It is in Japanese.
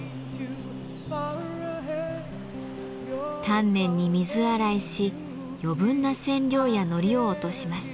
丹念に水洗いし余分な染料やノリを落とします。